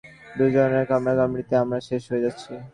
কিডা রাজা হবে, তাই নিয়ে দুইজনের কামড়াকামড়িতি আমরা শেষ হয়ে যাচ্ছি।